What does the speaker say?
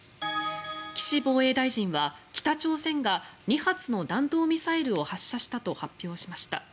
岸防衛大臣は北朝鮮が２発の弾道ミサイルを発射したと発表しました。